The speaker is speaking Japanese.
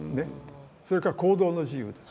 それから行動の自由です。